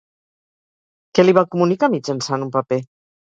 Què li va comunicar mitjançant un paper?